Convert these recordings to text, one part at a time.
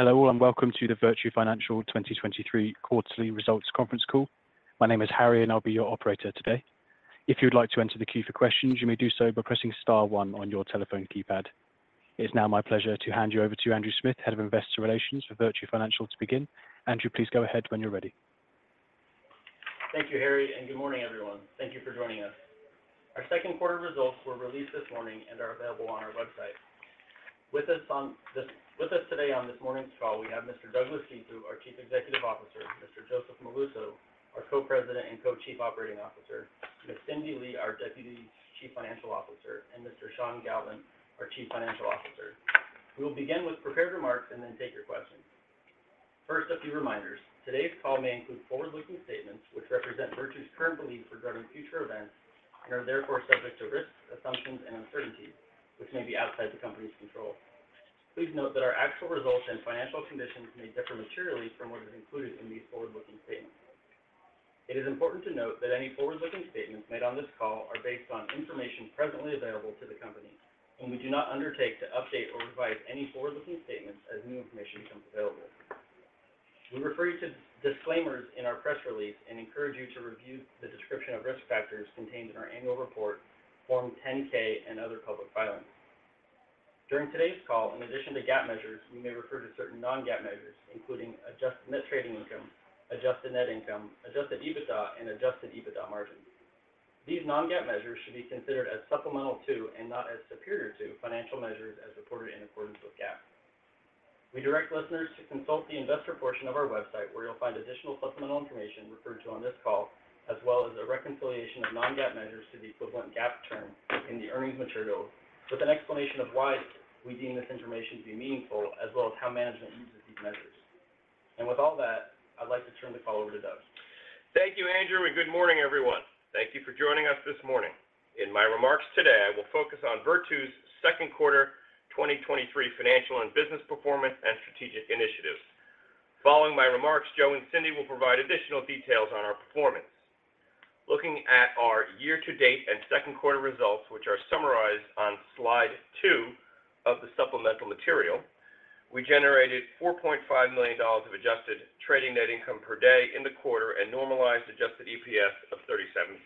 Hello, all, and welcome to the Virtu Financial 2023 quarterly results conference call. My name is Harry, and I'll be your operator today. If you'd like to enter the queue for questions, you may do so by pressing star 1 on your telephone keypad. It's now my pleasure to hand you over to Andrew Smith, Head of Investor Relations for Virtu Financial, to begin. Andrew, please go ahead when you're ready. Thank you, Harry, and good morning, everyone. Thank you for joining us. Our second quarter results were released this morning and are available on our website. With us today on this morning's call, we have Mr. Douglas Cifu, our Chief Executive Officer, Mr. Joseph Molluso, our Co-President and Co-Chief Operating Officer, Ms. Cindy Lee, our Deputy Chief Financial Officer, and Mr. Sean Galvin, our Chief Financial Officer. We will begin with prepared remarks and then take your questions. First, a few reminders. Today's call may include forward-looking statements, which represent Virtu's current beliefs regarding future events and are therefore subject to risks, assumptions, and uncertainties, which may be outside the company's control. Please note that our actual results and financial conditions may differ materially from what is included in these forward-looking statements. It is important to note that any forward-looking statements made on this call are based on information presently available to the company, and we do not undertake to update or revise any forward-looking statements as new information becomes available. We refer you to disclaimers in our press release and encourage you to review the description of risk factors contained in our annual report, Form 10-K and other public filings. During today's call, in addition to GAAP measures, we may refer to certain non-GAAP measures, including adjusted net trading income, adjusted net income, adjusted EBITDA, and adjusted EBITDA margin. These non-GAAP measures should be considered as supplemental to, and not as superior to, financial measures as reported in accordance with GAAP. We direct listeners to consult the investor portion of our website, where you'll find additional supplemental information referred to on this call, as well as a reconciliation of non-GAAP measures to the equivalent GAAP term in the earnings material, with an explanation of why we deem this information to be meaningful, as well as how management uses these measures. With all that, I'd like to turn the call over to Doug. Thank you, Andrew. Good morning, everyone. Thank you for joining us this morning. In my remarks today, I will focus on Virtu's second quarter 2023 financial and business performance and strategic initiatives. Following my remarks, Joe and Cindy will provide additional details on our performance. Looking at our year-to-date and second quarter results, which are summarized on slide two of the supplemental material, we generated $4.5 million of adjusted trading net income per day in the quarter and normalized adjusted EPS of $0.37.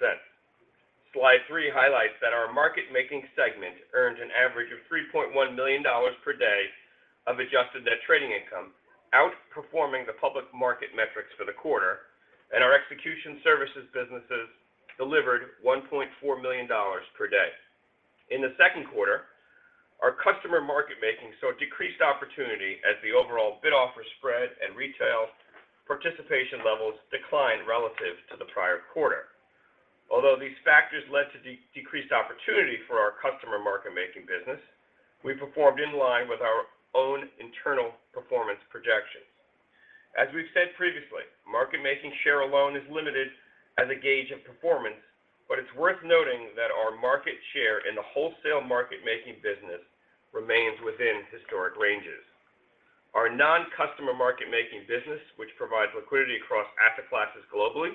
Slide three highlights that our market making segment earned an average of $3.1 million per day of adjusted net trading income, outperforming the public market metrics for the quarter, and our execution services businesses delivered $1.4 million per day. In the second quarter, our customer market making saw decreased opportunity as the overall bid-offer spread and retail participation levels declined relative to the prior quarter. Although these factors led to decreased opportunity for our customer market making business, we performed in line with our own internal performance projections. As we've said previously, market-making share alone is limited as a gauge of performance, but it's worth noting that our market share in the wholesale market-making business remains within historic ranges. Our non-customer market-making business, which provides liquidity across asset classes globally,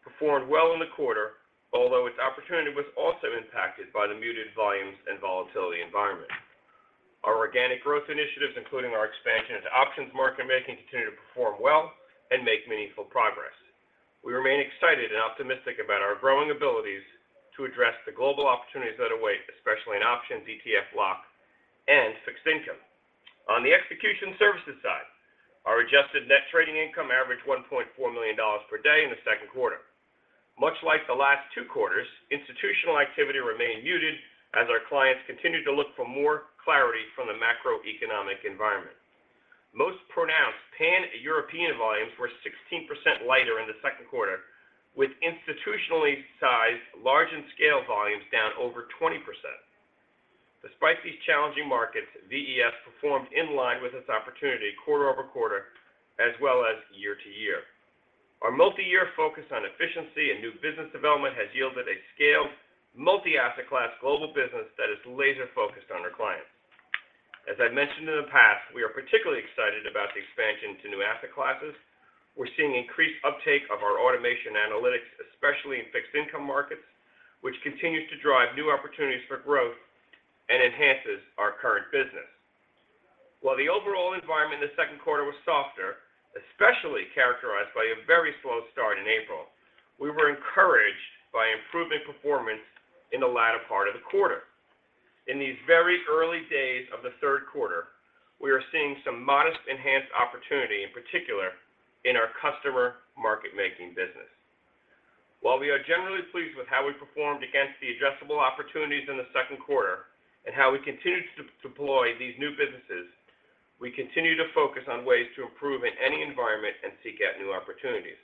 performed well in the quarter, although its opportunity was also impacted by the muted volumes and volatility environment. Our organic growth initiatives, including our expansion into options market making, continue to perform well and make meaningful progress. We remain excited and optimistic about our growing abilities to address the global opportunities that await, especially in options, ETF, block, and fixed income. On the execution services side, our adjusted net trading income averaged $1.4 million per day in the second quarter. Much like the last two quarters, institutional activity remained muted as our clients continued to look for more clarity from the macroeconomic environment. Most pronounced, Pan-European volumes were 16% lighter in the second quarter, with institutionally sized, large, and scale volumes down over 20%. Despite these challenging markets, VES performed in line with its opportunity quarter-over-quarter as well as year-to-year. Our multi-year focus on efficiency and new business development has yielded a scaled, multi-asset class, global business that is laser-focused on our clients. As I mentioned in the past, we are particularly excited about the expansion to new asset classes. We're seeing increased uptake of our automation analytics, especially in fixed income markets, which continues to drive new opportunities for growth and enhances our current business. While the overall environment in the second quarter was softer, especially characterized by a very slow start in April, we were encouraged by improvement performance in the latter part of the quarter. In these very early days of the third quarter, we are seeing some modest enhanced opportunity, in particular in our customer market-making business. While we are generally pleased with how we performed against the addressable opportunities in the second quarter and how we continue to deploy these new businesses, we continue to focus on ways to improve in any environment and seek out new opportunities.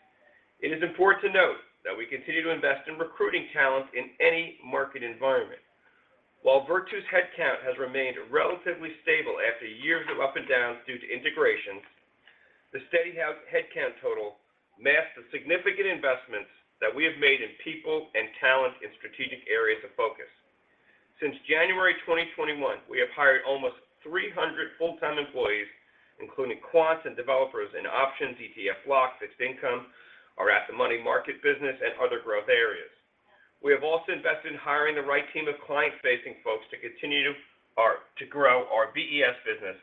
It is important to note that we continue to invest in recruiting talent in any market environment. While Virtu's headcount has remained relatively stable after years of up and downs due to integrations, the steady house headcount total masks the significant investments that we have made in people and talent in strategic areas of focus. Since January 2021, we have hired almost 300 full-time employees, including quants and developers in options, ETF block, fixed income, our asset money market business, and other growth areas. We have also invested in hiring the right team of client-facing folks to continue to grow our VES business.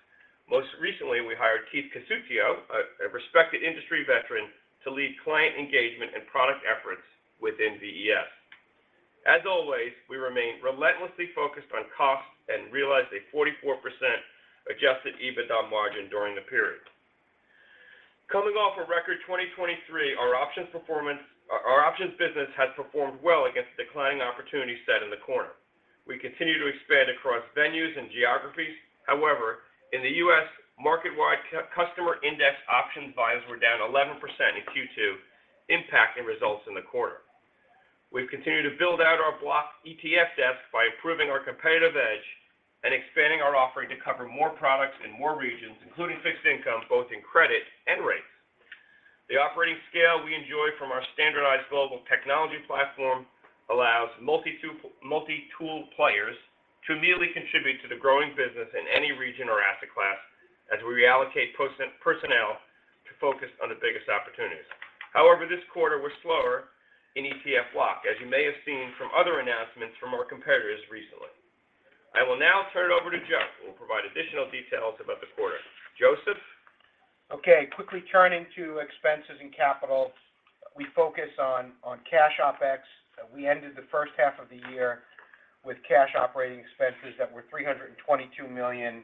Most recently, we hired Keith Casuccio, a respected industry veteran, to lead client engagement and product efforts within VES. As always, we remain relentlessly focused on costs and realized a 44% adjusted EBITDA margin during the period. Coming off a record 2023, our options business has performed well against the declining opportunity set in the quarter. We continue to expand across venues and geographies. However, in the U.S., market-wide customer index options volumes were down 11% in Q2, impacting results in the quarter. We've continued to build out our block ETF desk by improving our competitive edge and expanding our offering to cover more products in more regions, including fixed income, both in credit and rates. The operating scale we enjoy from our standardized global technology platform allows multi-tool players to immediately contribute to the growing business in any region or asset class, as we reallocate personnel to focus on the biggest opportunities. However, this quarter was slower in ETF block, as you may have seen from other announcements from our competitors recently. I will now turn it over to Joe, who will provide additional details about the quarter. Joseph? Okay, we focus on cash Opex. We ended the first half of the year with cash operating expenses that were $322 million,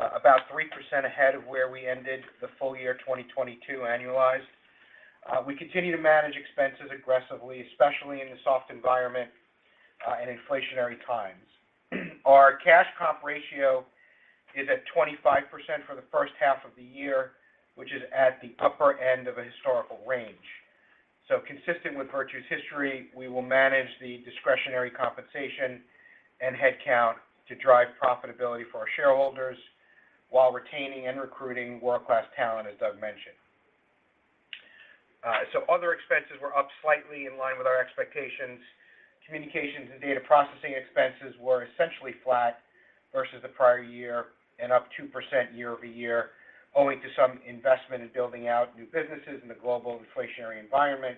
about 3% ahead of where we ended the full year 2022 annualized. We continue to manage expenses aggressively, especially in a soft environment and inflationary times. Our cash comp ratio is at 25% for the first half of the year, which is at the upper end of a historical range. Consistent with Virtu's history, we will manage the discretionary compensation and headcount to drive profitability for our shareholders, while retaining and recruiting world-class talent, as Doug mentioned. Other expenses were up slightly in line with our expectations. Communications and data processing expenses were essentially flat versus the prior year and up 2% year-over-year, owing to some investment in building out new businesses in the global inflationary environment.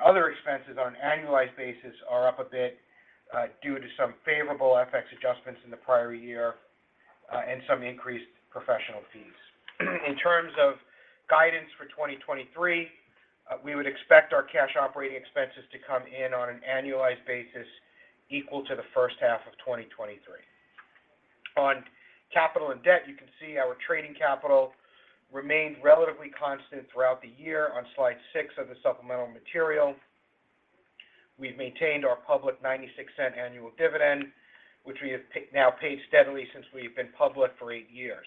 Other expenses on an annualized basis are up a bit, due to some favorable FX adjustments in the prior year, and some increased professional fees. In terms of guidance for 2023, we would expect our cash operating expenses to come in on an annualized basis equal to the first half of 2023. On capital and debt, you can see our trading capital remained relatively constant throughout the year on slide six of the supplemental material. We've maintained our public $0.96 annual dividend, which we have now paid steadily since we've been public for eight years.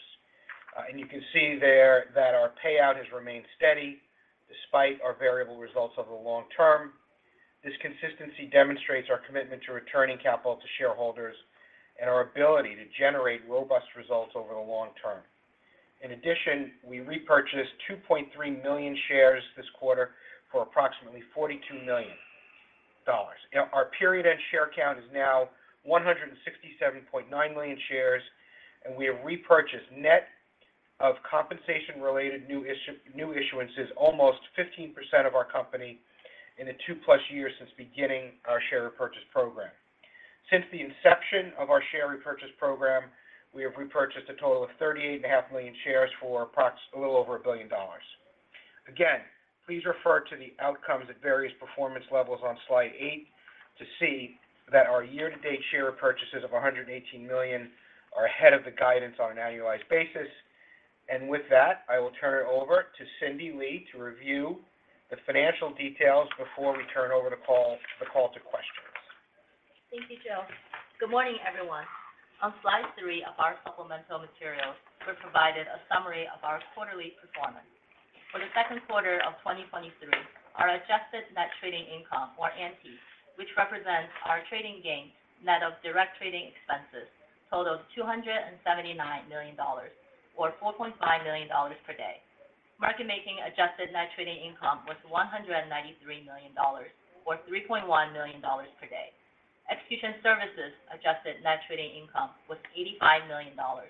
You can see there that our payout has remained steady despite our variable results over the long term. This consistency demonstrates our commitment to returning capital to shareholders and our ability to generate robust results over the long term. In addition, we repurchased 2.3 million shares this quarter for approximately $42 million. Our period-end share count is now 167.9 million shares, and we have repurchased net of compensation-related new issuances, almost 15% of our company in the 2+ years since beginning our share repurchase program. Since the inception of our share repurchase program, we have repurchased a total of 38.5 million shares for a little over $1 billion. Please refer to the outcomes at various performance levels on slide eight to see that our year-to-date share purchases of $118 million are ahead of the guidance on an annualized basis. With that, I will turn it over to Cindy Lee, to review the financial details before we turn over the call to questions. Thank you, Joe. Good morning, everyone. On slide three of our supplemental materials, we're provided a summary of our quarterly performance. For the second quarter of 2023, our adjusted net trading income, or NTI, which represents our trading gains, net of direct trading expenses, totaled $279 million or $4.5 million per day. Market making adjusted net trading income was $193 million, or $3.1 million per day. Execution services adjusted net trading income was $85 million, or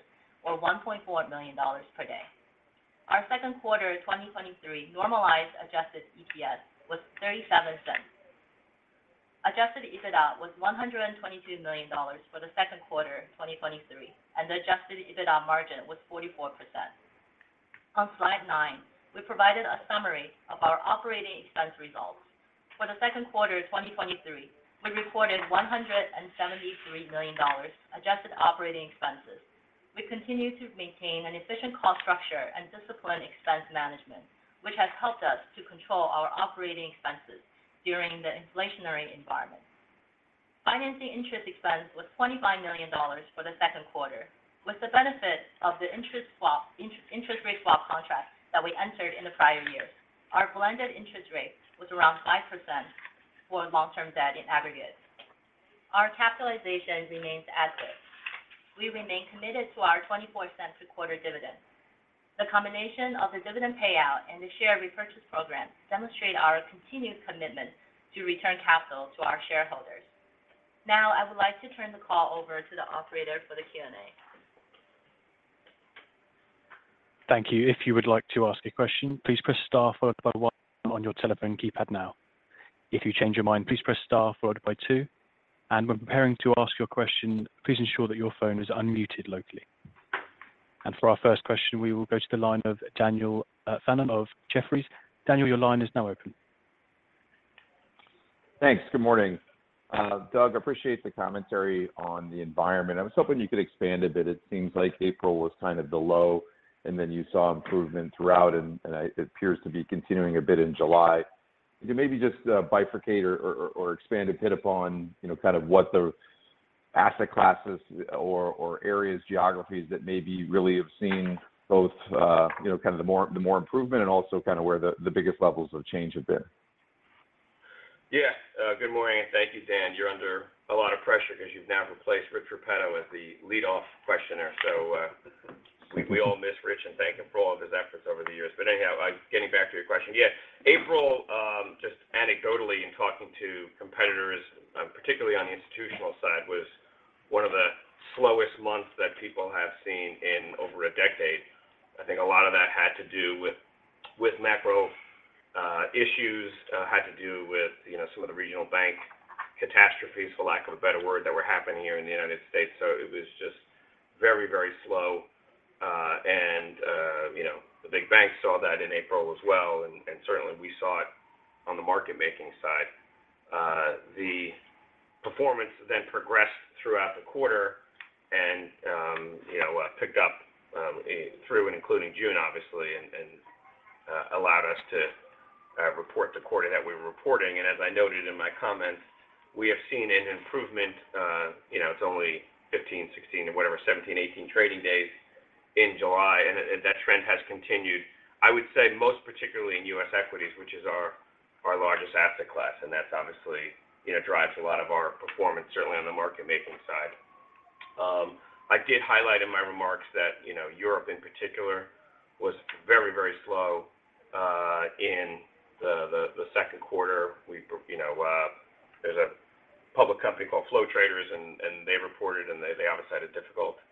$1.4 million per day. Our second quarter, 2023 normalized adjusted EPS was $0.37. Adjusted EBITDA was $122 million for the second quarter of 2023, and the adjusted EBITDA margin was 44%. On slide nine, we provided a summary of our operating expense results. For the second quarter of 2023, we reported $173 million adjusted operating expenses. We continue to maintain an efficient cost structure and discipline expense management, which has helped us to control our operating expenses during the inflationary environment. Financing interest expense was $25 million for the second quarter. With the benefit of the interest rate swap contract that we entered in the prior year, our blended interest rate was around 5% for long-term debt in aggregate. Our capitalization remains as is. We remain committed to our $0.24 a quarter dividend. The combination of the dividend payout and the share repurchase program demonstrate our continued commitment to return capital to our shareholders. Now, I would like to turn the call over to the operator for the Q&A. Thank you. If you would like to ask a question, please press star followed by 1 on your telephone keypad now. If you change your mind, please press star followed by 2, and when preparing to ask your question, please ensure that your phone is unmuted locally. For our first question, we will go to the line of Daniel Fannon of Jefferies. Daniel, your line is now open. Thanks. Good morning. Doug, appreciate the commentary on the environment. I was hoping you could expand a bit. It seems like April was kind of the low, and then you saw improvement throughout, and it appears to be continuing a bit in July. Could you maybe just bifurcate or expand a bit upon, you know, kind of what the asset classes or areas, geographies that maybe really have seen both, you know, kind of the more improvement and also kind of where the biggest levels of change have been? Yes. Good morning, thank you, Dan. You're under a lot of pressure because you've now replaced Rich Repetto as the lead-off questioner. We all miss Rich, and thank him for all of his efforts over the years. Anyhow, getting back to your question. Yeah, April, just anecdotally, in talking to competitors, particularly on the institutional side, was one of the slowest months that people have seen in over a decade. I think a lot of that had to do with macro issues. Had to do with, you know, some of the regional bank catastrophes, for lack of a better word, that were happening here in the United States. It was just very, very slow. You know, the big banks saw that in April as well, and, certainly we saw it on the market-making side. The performance then progressed throughout the quarter and, you know, picked up through and including June, obviously, and, allowed us to report the quarter that we're reporting. As I noted in my comments, we have seen an improvement, you know, it's only 15, 16, or whatever, 17, 18 trading days in July, and that trend has continued. I would say, most particularly in U.S. equities, which is our largest asset class, and that's obviously, you know, drives a lot of our performance, certainly on the market-making side. I did highlight in my remarks that, you know, Europe, in particular, was very, very slow in the second quarter. You know, there's a public company called Flow Traders, and they reported, and they obviously had a difficult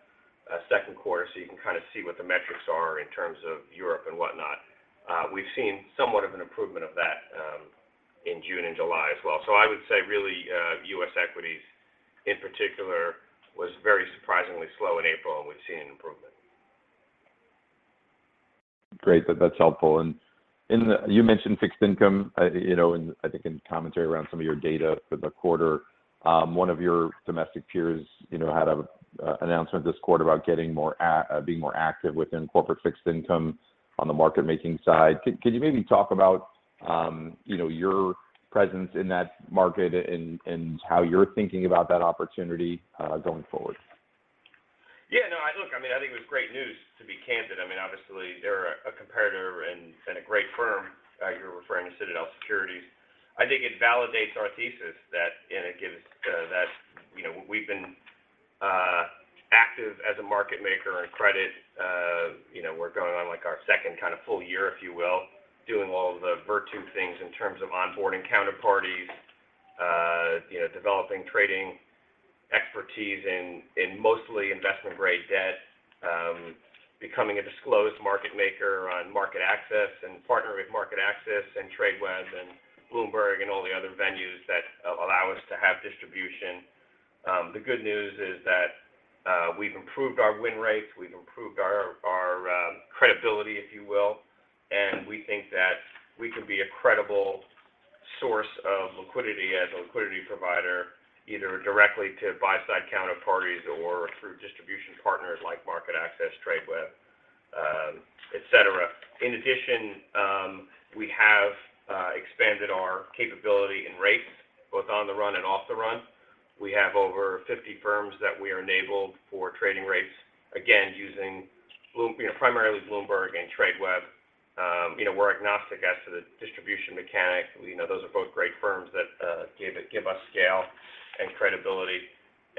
second quarter, so you can kind of see what the metrics are in terms of Europe and whatnot. We've seen somewhat of an improvement of that in June and July as well. I would say really, U.S. equities, in particular, was very surprisingly slow in April, and we've seen an improvement. Great. That's helpful. You mentioned fixed income, you know, in, I think in commentary around some of your data for the quarter. One of your domestic peers, you know, had an announcement this quarter about getting more active within corporate fixed income on the market-making side. Could you maybe talk about, you know, your presence in that market and how you're thinking about that opportunity going forward? No, I mean, I think it was great news, to be candid. I mean, obviously, they're a competitor and a great firm. You're referring to Citadel Securities. I think it validates our thesis that, and it gives that, you know, we've been active as a market maker in credit. You know, we're going on, like, our second kind of full year, if you will, doing all the Virtu things in terms of onboarding counterparties, you know, developing trading expertise in mostly investment-grade debt, becoming a disclosed market maker on MarketAxess and partnering with MarketAxess, and Tradeweb, and Bloomberg, and all the other venues that allow us to have distribution. The good news is that we've improved our win rates, we've improved our credibility, if you will, and we think that we can be a credible source of liquidity as a liquidity provider, either directly to buy-side counterparties or through distribution partners like MarketAxess, Tradeweb, et cetera. In addition, we have expanded our capability in rates, both on the run and off the run. We have over 50 firms that we are enabled for trading rates, again, using primarily Bloomberg and Tradeweb. We're agnostic as to the distribution mechanics. We know those are both great firms that give us scale and credibility.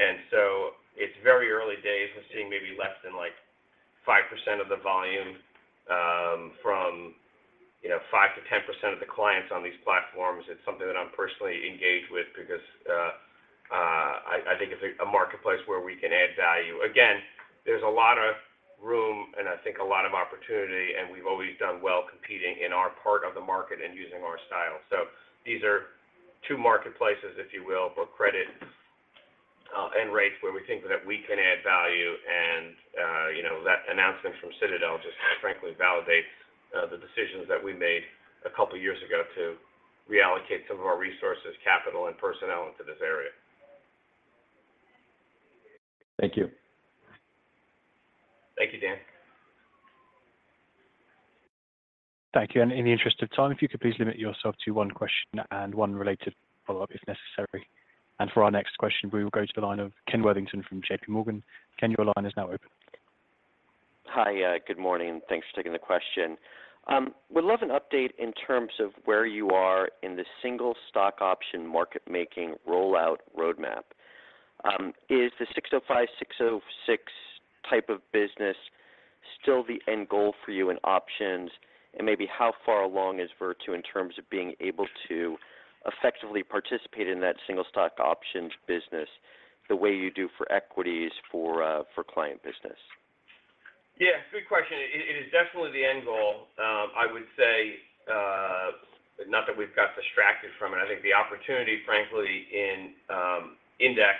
It's very early days. We're seeing maybe less than 5% of the volume, from 5%-10% of the clients on these platforms. It's something that I'm personally engaged with because I think it's a marketplace where we can add value. There's a lot of room and I think a lot of opportunity, we've always done well competing in our part of the market and using our style. These are two marketplaces, if you will, for credit and rates, where we think that we can add value. You know, that announcement from Citadel just frankly validates the decisions that we made a couple of years ago to reallocate some of our resources, capital, and personnel into this area. Thank you. Thank you, Dan. Thank you, and in the interest of time, if you could please limit yourself to one question and one related follow-up, if necessary. For our next question, we will go to the line of Ken Worthington from JPMorgan. Ken, your line is now open. Hi, good morning, and thanks for taking the question. Would love an update in terms of where you are in the single stock option market-making rollout roadmap. Is the 605, 606 type of business still the end goal for you in options? Maybe how far along is Virtu in terms of being able to effectively participate in that single stock options business the way you do for equities for client business? Good question. It is definitely the end goal. I would say not that we've got distracted from it. I think the opportunity, frankly, in index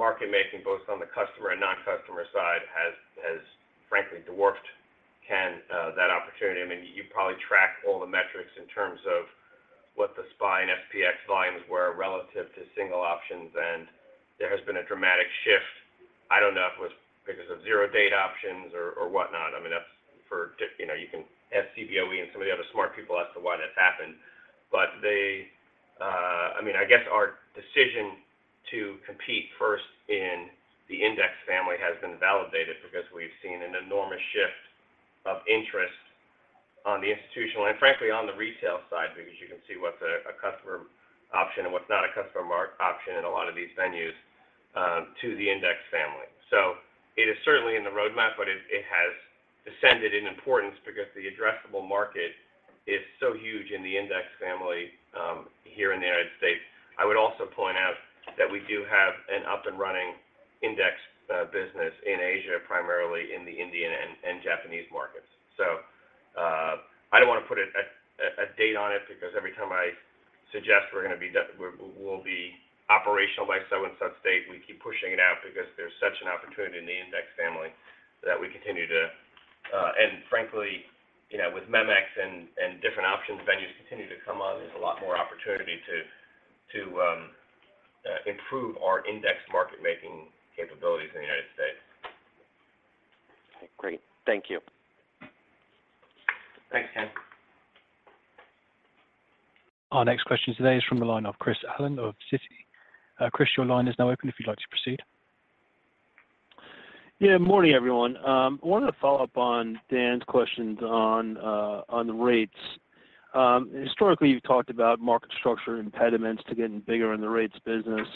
market making, both on the customer and non-customer side, has frankly dwarfed can that opportunity. I mean, you probably track all the metrics in terms of what the SPY and SPX volumes were relative to single options, and there has been a dramatic shift. I don't know if it was because of zero-day options or whatnot. I mean, that's for, you know, you can ask Cboe and some of the other smart people as to why that's happened. I mean, I guess our decision to compete first in the index family has been validated because we've seen an enormous shift of interest on the institutional and frankly, on the retail side, because you can see what's a customer option and what's not a customer mark option in a lot of these venues to the index family. It is certainly in the roadmap, but it has descended in importance because the addressable market is so huge in the index family here in the United States. I would also point out that we do have an up and running index business in Asia, primarily in the Indian and Japanese markets. I don't want to put a, a date on it, because every time I suggest we're gonna be we'll be operational by so and such date, we keep pushing it out because there's such an opportunity in the index family that we continue to. frankly, you know, with MEMX and different options, venues continue to come on. There's a lot more opportunity to improve our index market making capabilities in the United States. Great. Thank you. Thanks, Ken. Our next question today is from the line of Chris Allen of Citi. Chris, your line is now open if you'd like to proceed. Morning, everyone. I wanted to follow up on Dan's questions on the rates. Historically, you've talked about market structure impediments to getting bigger in the rates business.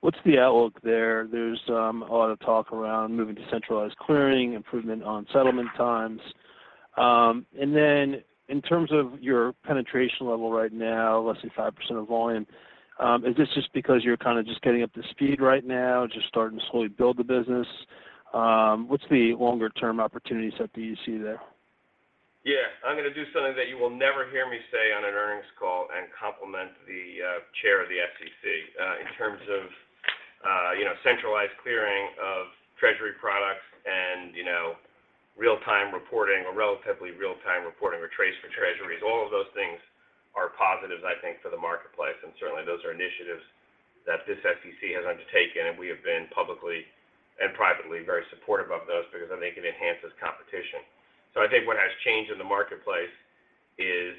What's the outlook there? There's a lot of talk around moving to centralized clearing, improvement on settlement times. Then in terms of your penetration level right now, less than 5% of volume, is this just because you're kind of just getting up to speed right now, just starting to slowly build the business? What's the longer-term opportunities that you see there? Yeah. I'm gonna do something that you will never hear me say on an earnings call and compliment the chair of the SEC. In terms of, you know, centralized clearing of Treasury products and, you know, real-time reporting or relatively real-time reporting or TRACE for Treasuries. All of those things are positives, I think, for the marketplace. Certainly, those are initiatives that this SEC has undertaken, and we have been publicly and privately very supportive of those because I think it enhances competition. I think what has changed in the marketplace is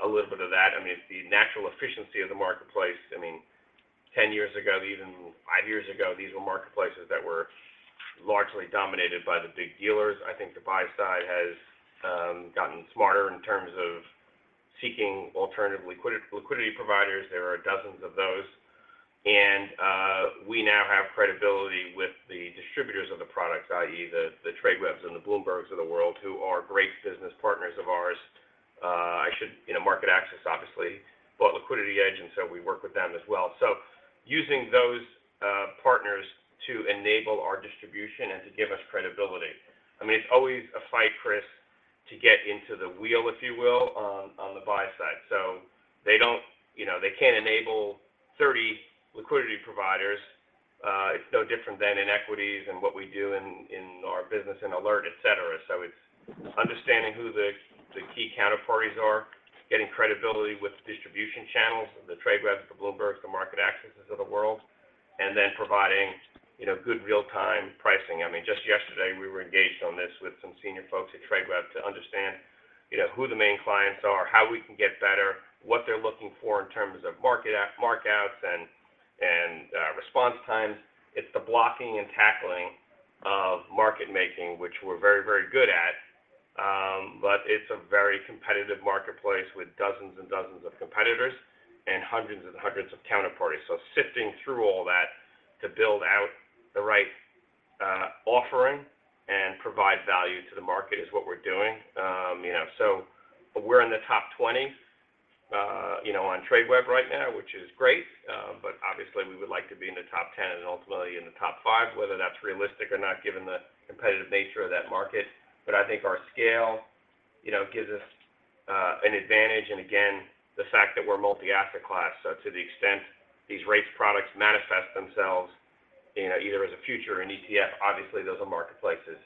a little bit of that. I mean, the natural efficiency of the marketplace, I mean, 10 years ago, even five years ago, these were marketplaces that were largely dominated by the big dealers. I think the buy side has gotten smarter in terms of seeking alternative liquidity providers. There are dozens of those, and we now have credibility with the distributors of the products, i.e., the Tradewebs and the Bloombergs of the world, who are great business partners of ours. You know, MarketAxess, obviously, but LiquidityEdge, we work with them as well. Using those partners to enable our distribution and to give us credibility. I mean, it's always a fight, Chris, to get into the wheel, if you will, on the buy side. You know, they can't enable 30 liquidity providers. It's no different than in equities and what we do in our business in ALERT, et cetera. It's understanding who the key counterparties are, getting credibility with the distribution channels, the Tradewebs, the Bloombergs, the MarketAxesses of the world, and then providing, you know, good real-time pricing. I mean, just yesterday, we were engaged on this with some senior folks at Tradeweb to understand, you know, who the main clients are, how we can get better, what they're looking for in terms of mark-outs and response times. It's the blocking and tackling of market making, which we're very good at, but it's a very competitive marketplace with dozens of competitors and hundreds of counterparties. Sifting through all that to build out the right offering and provide value to the market is what we're doing. You know, so we're in the top 20, you know, on Tradeweb right now, which is great. Obviously, we would like to be in the top 10 and ultimately in the top five, whether that's realistic or not, given the competitive nature of that market. I think our scale, you know, gives us an advantage, and again, the fact that we're multi-asset class. To the extent these rates products manifest themselves, you know, either as a future or an ETF, obviously, those are marketplaces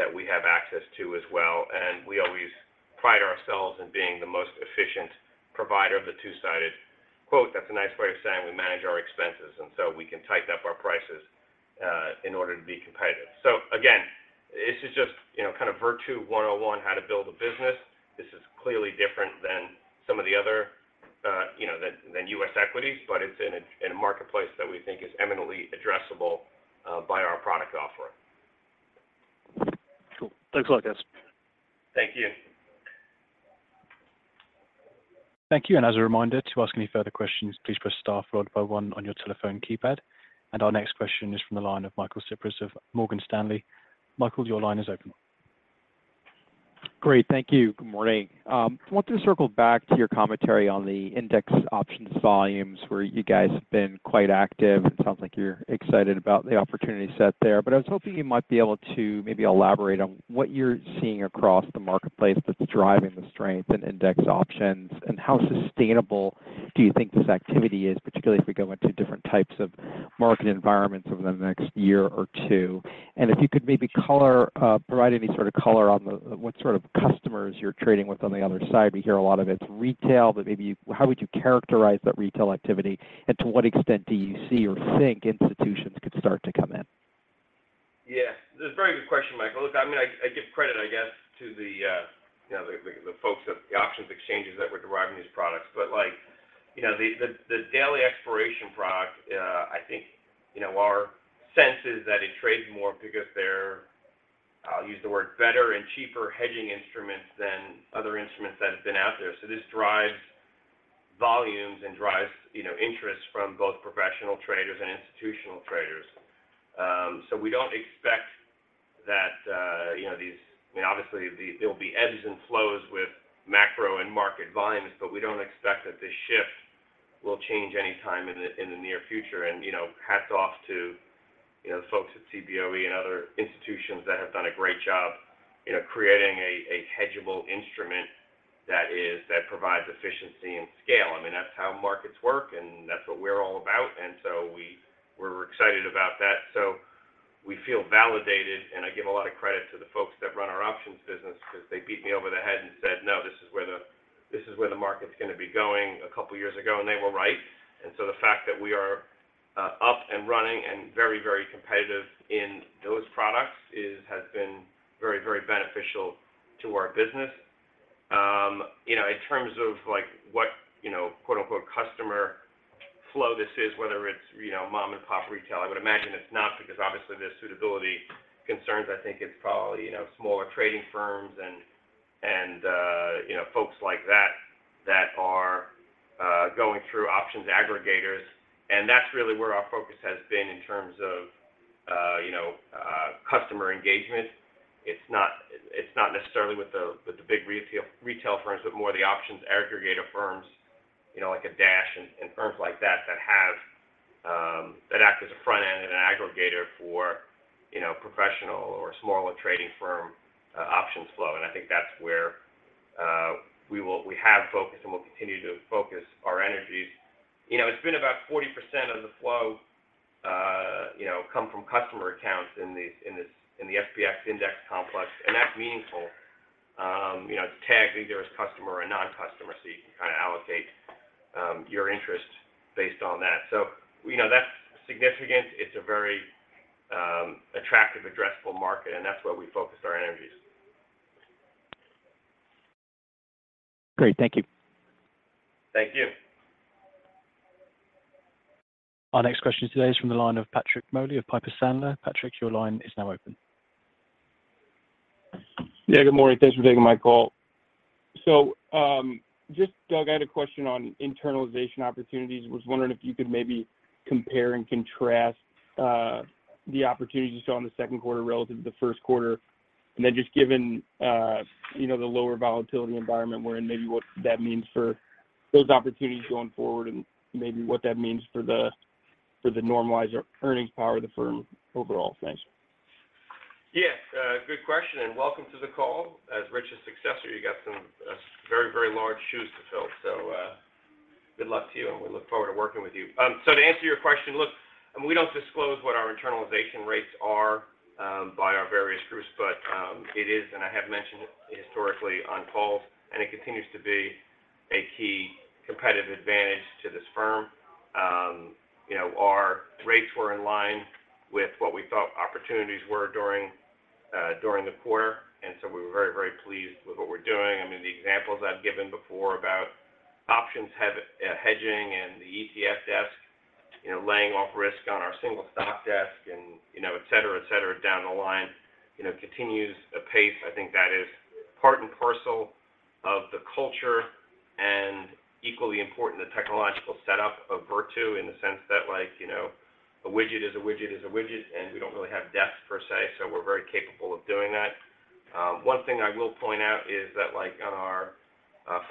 that we have access to as well. We always pride ourselves in being the most efficient provider of the two-sided quote. That's a nice way of saying we manage our expenses, and so we can tighten up our prices in order to be competitive. Again, this is just, you know, kind of Virtu 1 on 1, how to build a business. This is clearly different than some of the other, you know, than U.S. equities, but it's in a, in a marketplace that we think is eminently addressable by our product offering. Cool. Thanks a lot, guys. Thank you. Thank you, and as a reminder, to ask any further questions, please press star followed by 1 on your telephone keypad. Our next question is from the line of Michael Cyprys of Morgan Stanley. Michael, your line is open. Great. Thank you. Good morning. I want to circle back to your commentary on the index options volumes, where you guys have been quite active. It sounds like you're excited about the opportunity set there, but I was hoping you might be able to elaborate on what you're seeing across the marketplace that's driving the strength in index options, how sustainable do you think this activity is, particularly if we go into different types of market environments over the next year or two? If you could maybe provide any sort of color on the what sort of customers you're trading with on the other side. We hear a lot of it's retail, but how would you characterize that retail activity, and to what extent do you see or think institutions could start to come in? Yeah, that's a very good question, Michael. Look, I mean, I give credit, I guess, to the, you know, the folks at the options exchanges that were deriving these products. Like, you know, the daily expiration product, I think, you know, our sense is that it trades more because they're, I'll use the word better and cheaper hedging instruments than other instruments that have been out there. This drives volumes and drives, you know, interest from both professional traders and institutional traders. We don't expect that, you know, I mean, obviously, there will be ebbs and flows with macro and market volumes, but we don't expect that this shift will change any time in the, in the near future. You know, hats off to, you know, the folks at Cboe and other institutions that have done a great job, you know, creating a hedgeable instrument that provides efficiency and scale. I mean, that's how markets work, and that's what we're all about, and we're excited about that. We feel validated, and I give a lot of credit to the folks that run our options business because they beat me over the head and said, "No, this is where the market's gonna be going," two years ago, and they were right. The fact that we are up and running and very, very competitive in those products has been very, very beneficial to our business. You know, in terms of like, what, you know, quote-unquote, customer flow this is, whether it's, you know, mom-and-pop retail, I would imagine it's not, because obviously there's suitability concerns. I think it's probably, you know, smaller trading firms and, you know, folks like that are going through options aggregators, that's really where our focus has been in terms of, you know, customer engagement. It's not necessarily with the big retail firms, but more the options aggregator firms, you know, like a DASH and firms like that have that act as a front end and an aggregator for, you know, professional or smaller trading firm, options flow. I think that's where we have focused and will continue to focus our energies. You know, it's been about 40% of the flow, you know, come from customer accounts in the SPX index complex, and that's meaningful. You know, it's tagged either as customer or non-customer, so you can kind of allocate your interest based on that. We know that's significant. It's a very attractive, addressable market, and that's where we focus our energies. Great. Thank you. Thank you. Our next question today is from the line of Patrick Moley of Piper Sandler. Patrick, your line is now open. Yeah, good morning. Thanks for taking my call. Doug, I had a question on internalization opportunities. Was wondering if you could maybe compare and contrast the opportunities you saw in the second quarter relative to the first quarter, given, you know, the lower volatility environment we're in, maybe what that means for those opportunities going forward, and maybe what that means for the normalized earnings power of the firm overall. Thanks. Yeah, good question. Welcome to the call. As Rich's successor, you got some, very, very large shoes to fill, so, good luck to you, and we look forward to working with you. To answer your question, look, and we don't disclose what our internalization rates are by our various groups, but it is, and I have mentioned it historically on calls, and it continues to be a key competitive advantage to this firm. You know, our rates were in line with what we thought opportunities were during the quarter, so we were very, very pleased with what we're doing. I mean, the examples I've given before about options hedging and the ETF desk, you know, laying off risk on our single stock desk and, you know, et cetera, et cetera, down the line, you know, continues a pace. I think that is part and parcel of the culture and equally important, the technological setup of Virtu, in the sense that like, you know, a widget is a widget, is a widget, and we don't really have desks per se, so we're very capable of doing that. One thing I will point out is that, like, on our,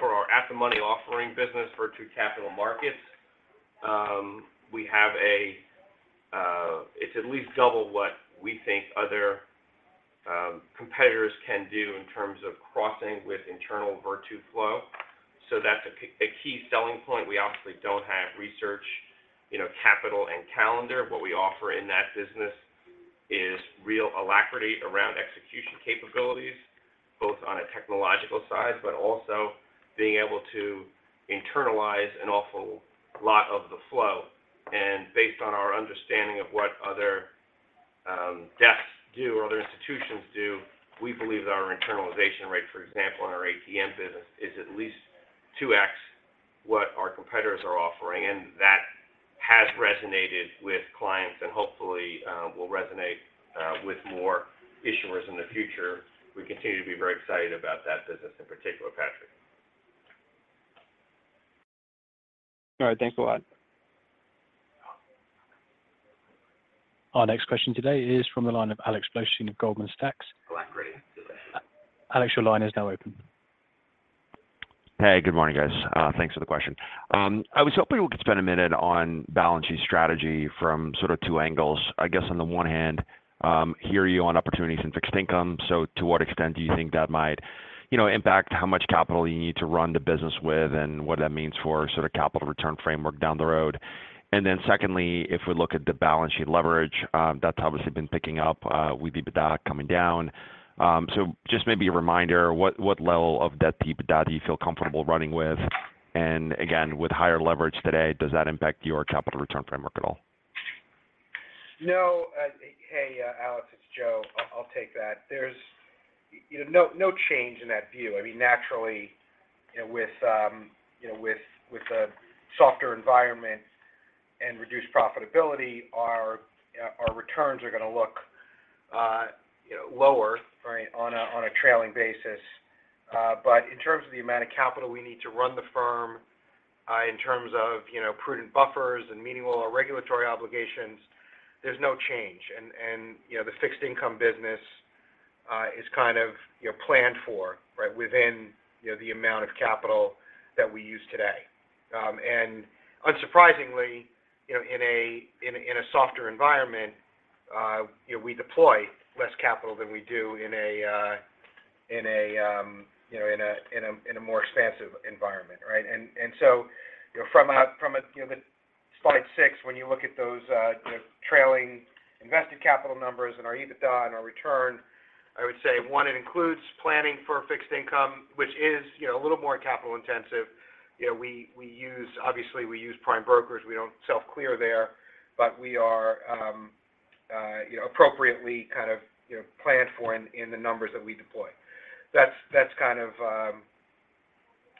for our at-the-money offering business, Virtu Capital Markets, we have a. It's at least double what we think other competitors can do in terms of crossing with internal Virtu flow. That's a key selling point. We obviously don't have research, you know, capital and calendar. What we offer in that business is real alacrity around execution capabilities, both on a technological side, but also being able to internalize an awful lot of the flow. Based on our understanding of what other desks do or other institutions do, we believe that our internalization rate, for example, on our ATM business, is at least 2x what our competitors are offering.... has resonated with clients and hopefully, will resonate with more issuers in the future. We continue to be very excited about that business in particular, Patrick. All right. Thanks a lot. Our next question today is from the line of Alex Blostein of Goldman Sachs. Go ahead, great. Alex, your line is now open. Hey, good morning, guys. Thanks for the question. I was hoping we could spend a minute on balance sheet strategy from sort of two angles. I guess, on the one hand, hear you on opportunities in fixed income. To what extent do you think that might, you know, impact how much capital you need to run the business with, and what that means for sort of capital return framework down the road? Secondly, if we look at the balance sheet leverage, that's obviously been picking up, with EBITDA coming down. just maybe a reminder, what level of debt-to-EBITDA do you feel comfortable running with? Again, with higher leverage today, does that impact your capital return framework at all? No. Hey, Alex, its Joe, I'll take that. There's, you know, no change in that view. I mean, naturally, you know, with, you know, with a softer environment and reduced profitability, our returns are going to look, you know, lower, right, on a trailing basis. In terms of the amount of capital we need to run the firm, in terms of, you know, prudent buffers and meeting all our regulatory obligations, there's no change. You know, the fixed income business, is kind of, you know, planned for, right, within, you know, the amount of capital that we use today. Unsurprisingly, you know, in a softer environment, you know, we deploy less capital than we do in a, in a more expansive environment, right? So, you know, from a, you know, the slide six, when you look at those, you know, trailing invested capital numbers and our EBITDA and our return, I would say, one, it includes planning for fixed income, which is, you know, a little more capital intensive. You know, we use obviously, we use prime brokers. We don't self-clear there, but we are, you know, appropriately kind of, you know, planned for in the numbers that we deploy. That's kind of,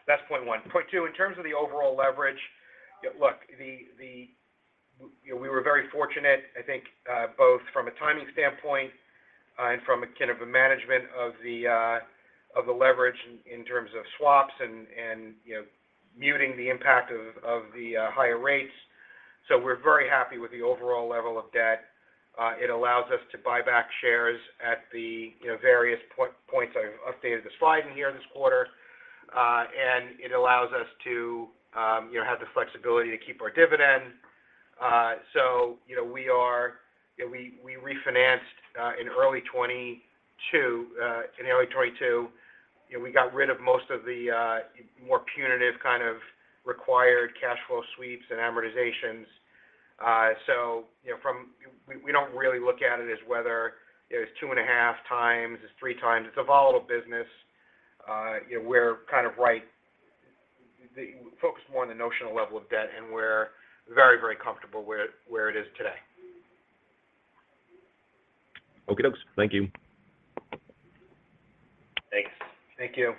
that's point one. Point two, in terms of the overall leverage, look, the... You know, we were very fortunate, I think, both from a timing standpoint, and from a kind of a management of the leverage in terms of swaps and, you know, muting the impact of the higher rates. We're very happy with the overall level of debt. It allows us to buy back shares at the, you know, various points. I've updated the slide in here this quarter. It allows us to, you know, have the flexibility to keep our dividend. You know, we refinanced in early 2022. In early 2022, you know, we got rid of most of the more punitive kind of required cash flow sweeps and amortizations. you know, we don't really look at it as whether, you know, it's 2.5 times, it's 3 times. It's a volatile business. you know, we're focused more on the notional level of debt, and we're very comfortable where it is today. Okie dokes. Thank you. Thanks. Thank you.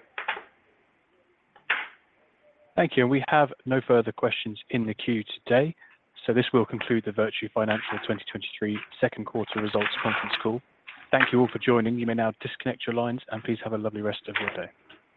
Thank you. We have no further questions in the queue today, this will conclude the Virtu Financial 2023 second quarter results conference call. Thank you all for joining. You may now disconnect your lines, please have a lovely rest of your day.